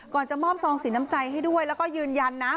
จะมอบซองสีน้ำใจให้ด้วยแล้วก็ยืนยันนะ